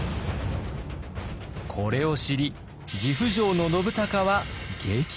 これを知り岐阜城の信孝は激怒。